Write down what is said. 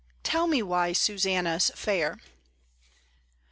"TELL ME WHY SUSANNAHS FAIR."